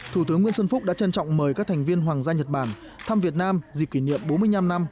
thủ tướng nguyễn xuân phúc đã trân trọng mời các thành viên hoàng gia nhật bản thăm việt nam dịp kỷ niệm bốn mươi năm năm